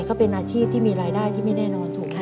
ก็เป็นอาชีพที่มีรายได้ที่ไม่แน่นอนถูกไหม